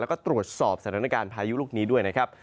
แล้วก็ตรวจสอบสถานการณ์พายุลูกนี้ด้วยนะครับ